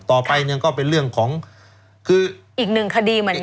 ต่อไปเนี่ยก็เป็นเรื่องของคืออีกหนึ่งคดีเหมือนกัน